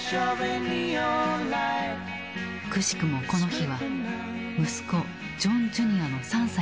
くしくもこの日は息子ジョン・ジュニアの３歳の誕生日。